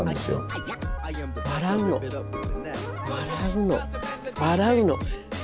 笑うの笑うの笑うの。